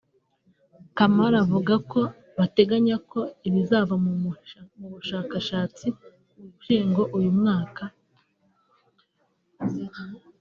Kamari avuga ko bateganya ko ibizava mu bushakashatsi bizamenyekana mu kwezi k’Ugushyingo uyu mwaka